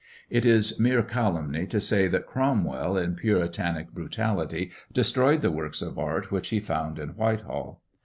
It is mere calumny, to say that Cromwell, in puritanic brutality, destroyed the works of art which he found in Whitehall.